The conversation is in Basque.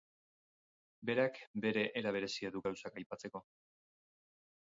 Berak bere era berezia du gauzak aipatzeko.